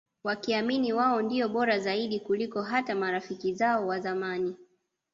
Wakiamini wao ndio Bora Zaidi kuliko hata marafiki zao wazamani